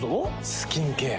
スキンケア。